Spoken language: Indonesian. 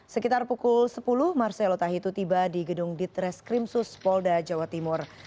sekitar pukul sepuluh marcelo tahitu tiba di gedung ditreskrimsus polda jawa timur